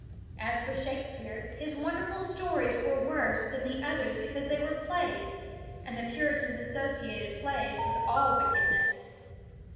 As for Shake speare, his wonderful stories were worse than the others because they were plays and the Puritans associated plays with all wickedness.